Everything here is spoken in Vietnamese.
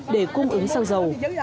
để cung ứng xăng dầu